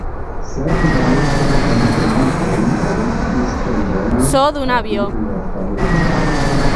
Sekve multaj aliaj judoj elektis tombon apud la famulo.